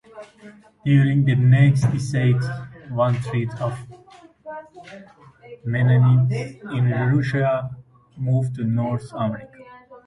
During the next decade, one-third of Mennonites in Russia moved to North America.